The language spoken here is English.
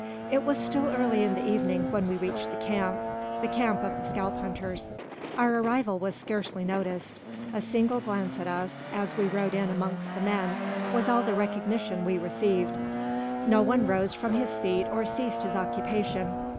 It was still early in the evening when we reached the camp the camp of the scalp hunters. Our arrival was scarcely noticed. A single glance at us, as we rode in amongst the men was all the recognition we received. No one rose from his seat or ceased his occupation.